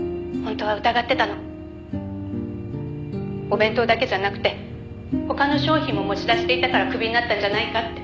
「お弁当だけじゃなくて他の商品も持ち出していたからクビになったんじゃないかって」